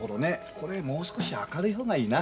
これもう少し明るい方がいいな。